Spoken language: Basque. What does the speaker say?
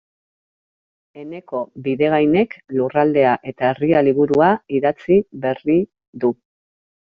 Eneko Bidegainek Lurraldea eta Herria liburua idatzi berri du.